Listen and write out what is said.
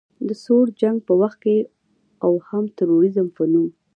د سوړ جنګ په وخت کې او هم د تروریزم په نوم